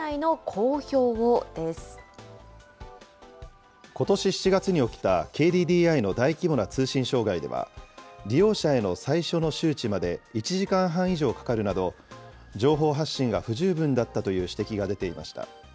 通信障害、３０分以内の公表をでことし７月に起きたＫＤＤＩの大規模な通信障害では、利用者への最初の周知まで１時間半以上かかるなど、情報発信が不十分だったという指摘が出ていました。